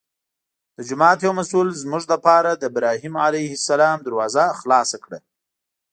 د جومات یو مسوول زموږ لپاره د ابراهیم علیه السلام دروازه خلاصه کړه.